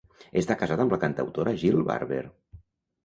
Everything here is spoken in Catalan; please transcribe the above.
Està casat amb la cantautora Jill Barber.